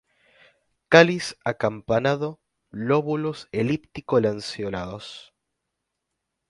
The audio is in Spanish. Cáliz acampanado, lóbulos elíptico-lanceolados.